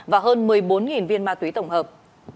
và hơn một mươi bốn viên ma túy tổng hợp